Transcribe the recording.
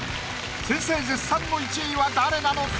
先生絶賛の１位は誰なのか？